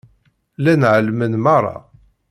Llan ɛelmen merra.